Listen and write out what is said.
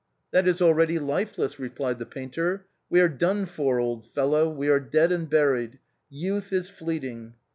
" That is already lifeless," replied the painter ;" we are done for, old fellow, we are dead and buried. Youth is fleeting!